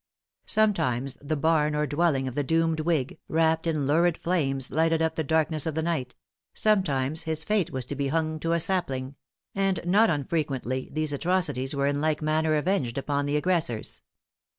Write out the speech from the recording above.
Sometimes the barn or dwelling of the doomed whig, wrapped in lurid flames, lighted up the darkness of the night; sometimes his fate was to be hung to a sapling; and not unfrequently these atrocities were in like manner avenged upon the aggressors.